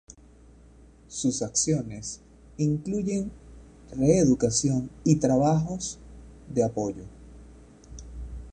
Sus acciones incluyen reeducación y trabajos de apoyo.